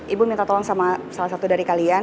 ibu minta tolong sama salah satu dari kalian